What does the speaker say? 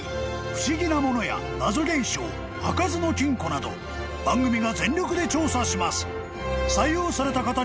［不思議なものや謎現象開かずの金庫など番組が全力で調査します］